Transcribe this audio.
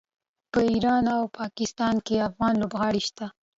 په ایران او پاکستان کې افغان لوبغاړي شته.